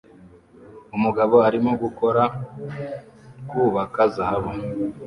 Umugabo arimo gukora kubaka zahabu